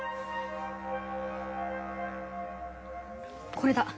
これだ。